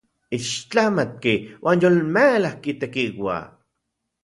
¡Ixtlamatki uan yolmelajki tekiua!